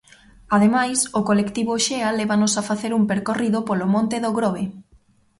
Ademais, o colectivo Xea lévanos a facer un percorrido polo monte do Grove.